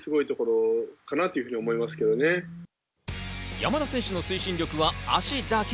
山田選手の推進力は脚だけ。